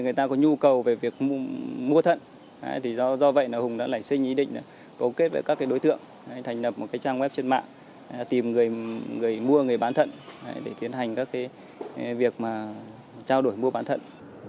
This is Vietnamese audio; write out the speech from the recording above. người ta có nhu cầu về việc mua thận do vậy hùng đã lãnh sinh ý định cấu kết với các đối tượng thành lập một trang web trên mạng tìm người mua người bán thận để tiến hành các việc trao đổi mua bán thận